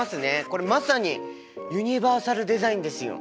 これまさにユニバーサルデザインですよ！